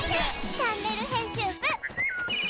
チャンネル編集部。